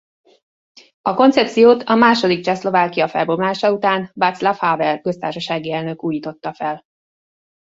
A koncepciót a második Csehszlovákia felbomlása után Václav Havel köztársasági elnök újította fel.